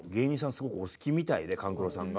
すごくお好きみたいで勘九郎さんが。